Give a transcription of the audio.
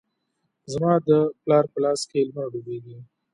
زما د پلار په لاس کې لمر ډوبیږې